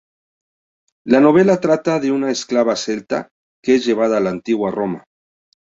La novela trata de una esclava celta, que es llevada a la antigua Roma.